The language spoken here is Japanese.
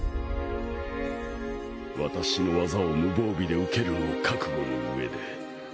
私の技を無防備で受けるのを覚悟の上で。